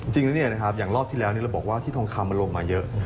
จริงด้วยเนี่ยนะครับอย่างรอบที่แล้วเราบอกว่าที่ทองคัมอารมณ์มาเยอะ